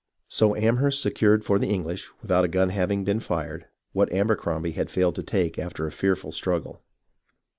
So Amherst secured for the English, without a gun having been fired, what Abercrombie had failed to take after a fearful struggle.